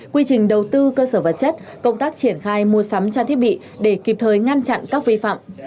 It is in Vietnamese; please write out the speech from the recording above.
quy trình đầu tư cơ sở vật chất công tác triển khai mua sắm trang thiết bị để kịp thời ngăn chặn các vi phạm